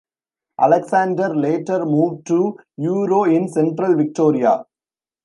Alexander later moved to Euroa in central Victoria.